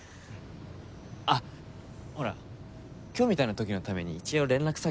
あっほら今日みたいな時のために一応連絡先だけ。